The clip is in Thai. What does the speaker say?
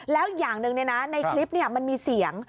แล้วอย่างหนึ่งในคลิปมันมีเสียง